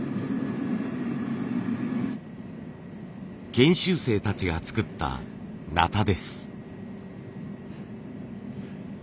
研修生たちが作った鉈です。